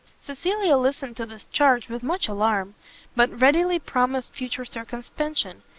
Cecilia listened to this charge with much alarm, but readily promised future circumspection.